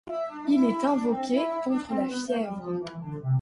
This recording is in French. Il est invoqué contre la fièvre.